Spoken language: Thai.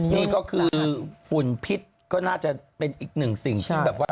นี่ก็คือฝุ่นพิษก็น่าจะเป็นอีกหนึ่งสิ่งที่แบบว่า